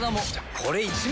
これ１枚。